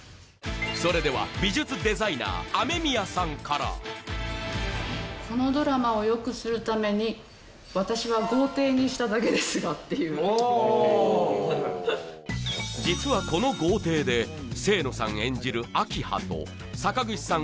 それでは美術デザイナー雨宮さんから「このドラマをよくするために私は」「豪邸にしただけですが」っていうああ実はこの豪邸で清野さん演じる明葉と坂口さん